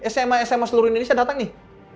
sma sma seluruh indonesia datang nih